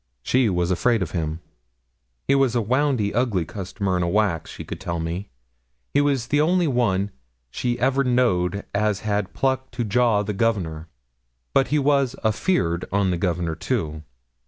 She was afraid of him. He was a 'woundy ugly customer in a wax, she could tell me.' He was the only one 'she ever knowed as had pluck to jaw the Governor.' But he was 'afeard on the Governor, too.'